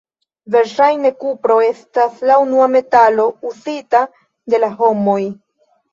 Verŝajne kupro estas la unua metalo uzita de la homoj.